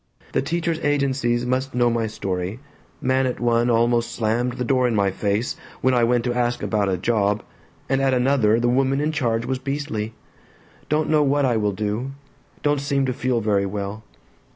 The teachers' agencies must know the story, man at one almost slammed the door in my face when I went to ask about a job, & at another the woman in charge was beastly. Don't know what I will do. Don't seem to feel very well.